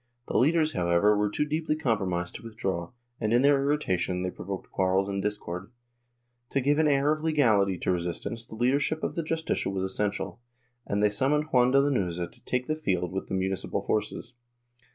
The leaders, however were too deeply com promised to withdraw and, in their irritation, they provoked quarrels and discord. To give an air of legality to resistance the leadership of the Justicia was essential, and they summoned Juan de Lanuza to take the field with the municipal forces.